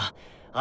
あ！